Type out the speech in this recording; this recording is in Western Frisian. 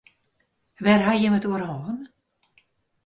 Wêr ha jim it oer hân?